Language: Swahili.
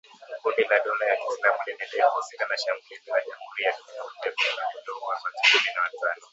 Kundi la Dola ya kiislamu limedai kuhusika na shambulizi la Jamhuri ya kidemokrasia ya Kongo lililouwa watu kumi na watano.